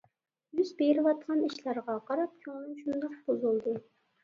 يۈز بېرىۋاتقان ئىشلارغا قاراپ كۆڭلۈم شۇنداق بۇزۇلدى.